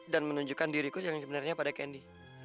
dan menunjukkan diriku yang sebenarnya pada kendi